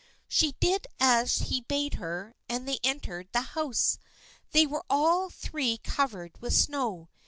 She did as he bade her and they entered the house. They were all three covered with snow.